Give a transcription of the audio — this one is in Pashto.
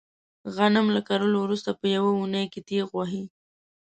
غنم له کرلو ورسته په یوه اونۍ کې تېغ وهي.